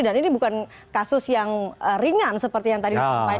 dan ini bukan kasus yang ringan seperti yang tadi sampaikan oleh bang rey